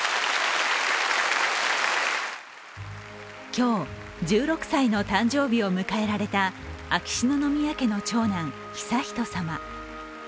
今日、１６歳の誕生日を迎えられた秋篠宮家の長男・悠仁さま。